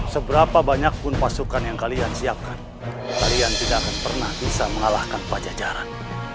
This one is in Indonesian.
seberapa banyak pun pasukan yang kalian siapkan kalian tidak akan pernah bisa mengalahkan pajajaran